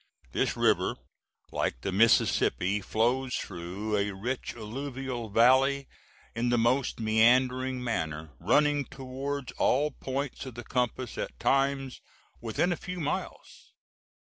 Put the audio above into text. This river, like the Mississippi, flows through a rich alluvial valley in the most meandering manner, running towards all points of the compass at times within a few miles.